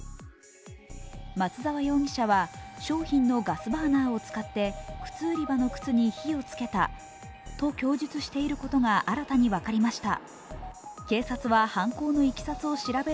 松沢容疑者は商品のガスバーナーを使って靴売り場の靴に火をつけたと供述していることが新たに分かりました。